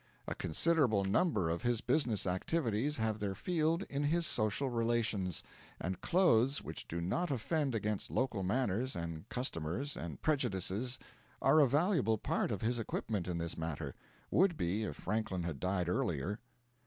A considerable number of his business activities have their field in his social relations; and clothes which do not offend against local manners and customs and prejudices are a valuable part of his equipment in this matter would be, if Franklin had died earlier.